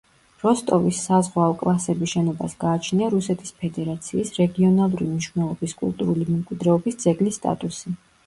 როსტოვის საზღვაო კლასების შენობას გააჩნია რუსეთის ფედერაციის რეგიონალური მნიშვნელობის კულტურული მემკვიდრეობის ძეგლის სტატუსი.